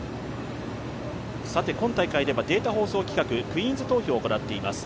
今大会ではデータ放送企画、クイーンズ投票を行っています。